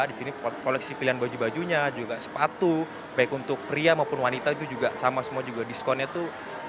di sini koleksi pilihan baju bajunya juga sepatu baik untuk pria maupun wanita itu juga sama semua juga diskonnya itu